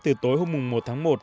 từ tối hôm một tháng một